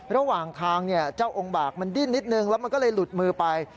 ระหว่างทางเจ้าองค์บากมันดิ้นนิดนึงแล้วมันก็เลยหลุดมือไป